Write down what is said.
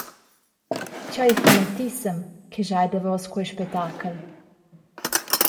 Tgei fanatissem che schai davos quei spetachel!